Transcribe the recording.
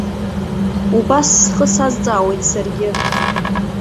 Убас схы сазҵаауеит саргьы.